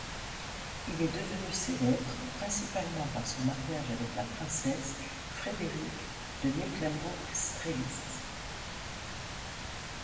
Il est devenu célèbre principalement par son mariage avec la princesse Frédérique de Mecklembourg-Strelitz.